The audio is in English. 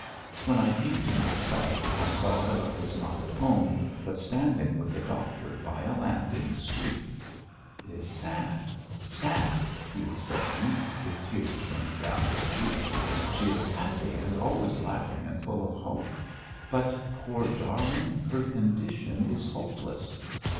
When I came to myself I saw that I was not at home, but standing with the doctor by a lamp in the street. "It is sad, sad," he was saying with tears running down his cheeks. "She is happy and always laughing and full of hope. But, poor darling, her condition is hopeless.